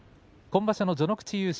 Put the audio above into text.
今場所、序ノ口優勝